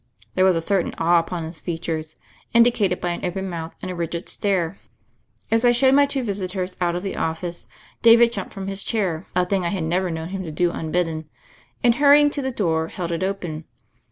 There was a certain awe upon his features, indi cated by an open mouth and a rigid stare. As I showed my two visitors out of the office, David jumped from his chair — a thing I had never known him to do unbidden — and hurrymg to the door held it open.